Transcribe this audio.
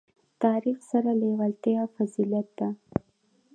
تاریخ سره لېوالتیا فضیلت ده.